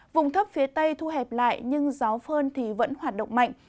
vùng thấp phía tây thu hẹp lại nhưng gió phơn vẫn hoạt động mạnh